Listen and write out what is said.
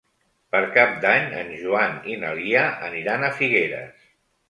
Per Cap d'Any en Joan i na Lia aniran a Figueres.